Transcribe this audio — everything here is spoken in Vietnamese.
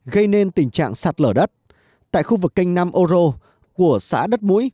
gây nên tình trạng sạt lở đất tại khu vực kênh nam âu rô của xã đất mũi